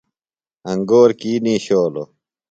انگور کی نِشولوۡ؟